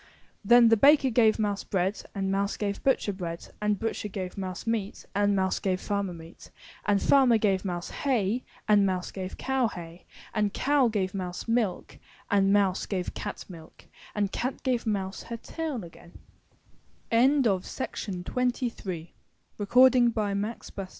Then the baker gave mouse bread, and mouse gave butcher bread , and but cher gave mouse meat, and mouse gave farmer meat, and farmer gave mouse hay, and mouse gave cow hay, and cow gave mouse milk and mouse gave cat milk and cat gave mouse her tail again.